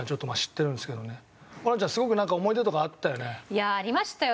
いやありましたよ。